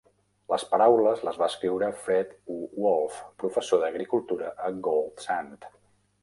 Les paraules les va escriure Fred U. Wolfe, professor d'agricultura a Gold Sand.